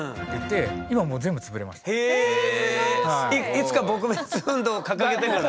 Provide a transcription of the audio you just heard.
「いつか撲滅運動」を掲げてから？